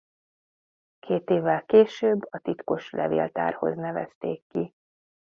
Két évvel később a titkos levéltárhoz nevezték ki.